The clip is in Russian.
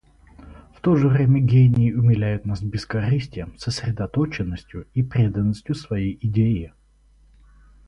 В то же время гении умиляют нас бескорыстием, сосредоточенностью и преданностью своей идее.